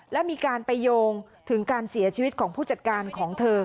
และมีการไปโยงถึงการเสียชีวิตของผู้จัดการของเธอ